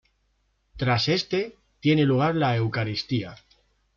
Tras este, tiene lugar la eucaristía.